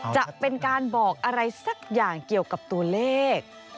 จะเป็นการบอกอะไรสักอย่างเกี่ยวกับตัวเลข